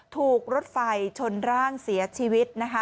ถูกรถไฟชนร่างเสียชีวิตนะคะ